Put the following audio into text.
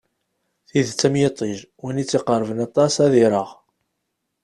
Tidet am yiṭij, win i tt-iqerben aṭas ad ireɣ.